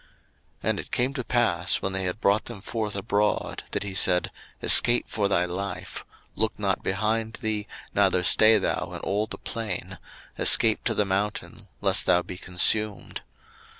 01:019:017 And it came to pass, when they had brought them forth abroad, that he said, Escape for thy life; look not behind thee, neither stay thou in all the plain; escape to the mountain, lest thou be consumed.